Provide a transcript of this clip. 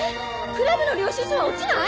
クラブの領収書は落ちない？